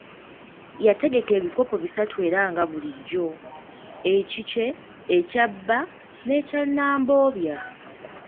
Yategeka ebikopo bisatu era nga bulijjo, ekikye, ekya bba n'ekya Nnambobya.